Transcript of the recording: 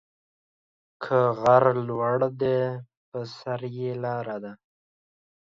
که غر لوړ دى، په سر يې لار ده.